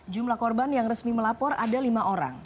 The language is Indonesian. jumlah korban yang resmi melapor ada lima orang